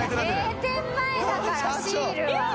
閉店前だからシールは。